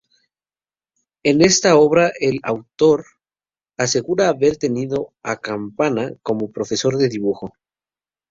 En esta obra el autor asegura haber tenido a Campana como profesor de dibujo.